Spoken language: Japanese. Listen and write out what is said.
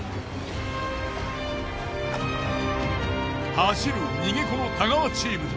走る逃げ子の太川チーム。